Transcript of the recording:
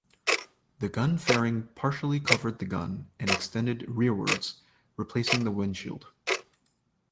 The gun fairing partially covered the gun and extended rearwards, replacing the windshield.